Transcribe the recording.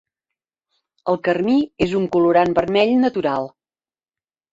El carmí és un colorant vermell natural.